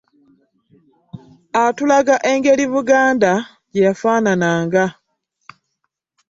Atulaga engeri Buganda gye yafaanananga.